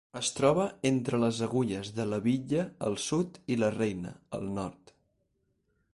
Es troba entre les agulles de La Bitlla al sud i La Reina al nord.